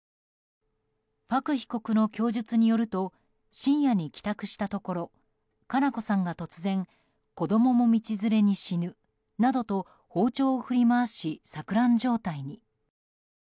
パク被告の供述によると深夜に帰宅したところ佳菜子さんが突然子供も道連れに死ぬなどと包丁を振り回し、錯乱状態に。